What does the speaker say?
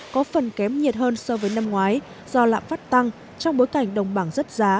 có phần kém nhiệt hơn so với năm ngoái do lạm phát tăng trong bối cảnh đồng bằng rất giá